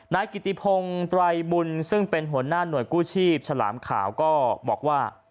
นายกิติพงศ์ไตรบุญซึ่งเป็นหัวหน้าหน่วยกู้ชีพฉลามขาวก็บอกว่า